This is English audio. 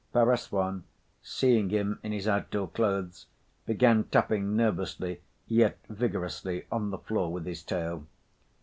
Perezvon, seeing him in his outdoor clothes, began tapping nervously, yet vigorously, on the floor with his tail.